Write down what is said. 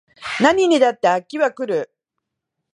何にだって飽きは来る